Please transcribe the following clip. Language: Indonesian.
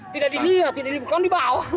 tidak dihia bukan di bawah